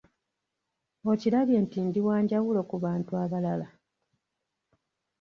Okirabye nti ndi wa njawulo ku bantu abalala.